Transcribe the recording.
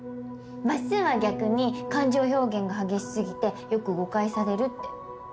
マッスンは逆に感情表現が激しすぎてよく誤解されるって。